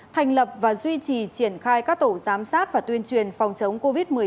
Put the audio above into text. thành lập và duy trì triển khai các tổ giám sát và tuyên truyền phòng chống covid một mươi chín